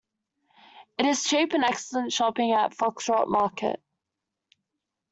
There is cheap and excellent shopping at Foxrock market.